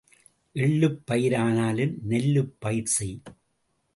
எள்ளுப் பயிரானாலும் நெல்லுப் பயிர் செய்.